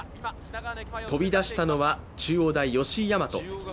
飛び出したのは中央大、吉居大和。